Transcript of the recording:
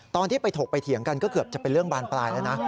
ตอนที่ไปถกไปเถียงกันก็เกือบจะเป็นเรื่องบานปลายแล้วนะ